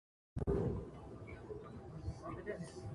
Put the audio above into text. Tuvieron que firmar tratados y entregar rehenes como señal de buena fe.